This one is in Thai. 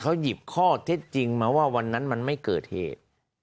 เขาหยิบข้อเท็จจริงมาว่าวันนั้นมันไม่เกิดเหตุ